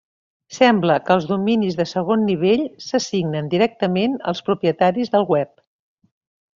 Sembla que els dominis de segon nivell s'assignen directament als propietaris del web.